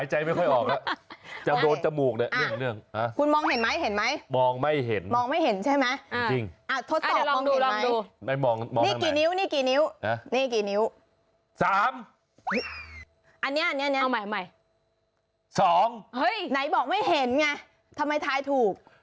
เห็นไงทำไมท้ายถูก